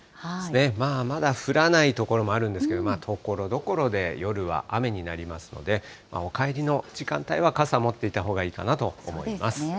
まあ、まだ降らない所もあるんですが、ところどころで夜は雨になりますので、お帰りの時間帯は傘持っていたほうがいいかなと思います。